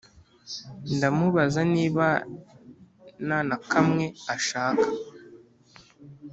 ndamubaza niba nanakamwe ashaka